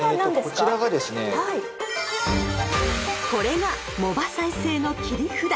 ［これが藻場再生の切り札！